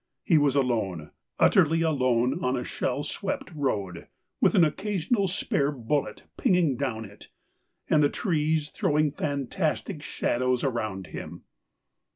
He was alone, utterly alone on a shell swept road with an occasional spare bullet pinging down it, and the trees throwing fantastic shadows around him.